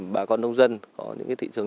bà con nông dân có những thị trường